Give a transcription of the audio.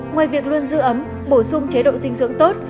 ngoài việc luôn giữ ấm bổ sung chế độ dinh dưỡng tốt